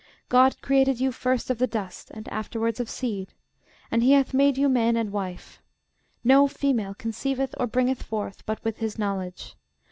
GOD created you first of the dust, and afterwards of seed: and he hath made you man and wife. No female conceiveth, or bringeth forth, but with his knowledge.